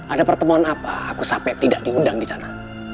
ada pertemuan apa aku sampai tidak diundang di sana